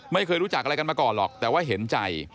ไม่เคยรู้จักอะไรกันมาก่อนหรอกแต่ว่าเห็นใจ